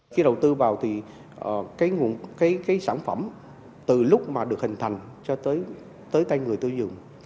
khi đầu tư vào thì cái sản phẩm từ lúc mà được hình thành cho tới tay người tiêu dùng